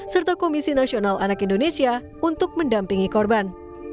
serta komisi nasional anak indonesia untuk mendampingi korban